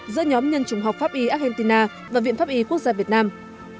giữa nhóm nhân trùng học pháp y argentina và viện pháp y quốc gia việt nam